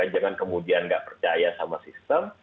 jangan kemudian nggak percaya sama sistem